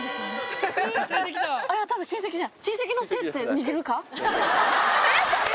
あれは多分親戚じゃ。